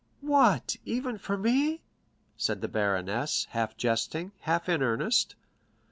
"What, even for me?" said the baroness, half jesting, half in earnest.